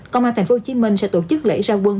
công an thành phố hồ chí minh sẽ tổ chức lễ ra quân